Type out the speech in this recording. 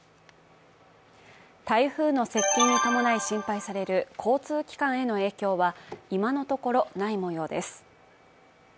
台風の接近に伴い心配される交通機関への影響は、今のところないもようです。